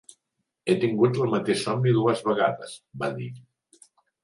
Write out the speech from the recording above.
"He tingut el mateix somni dues vegades" va dir.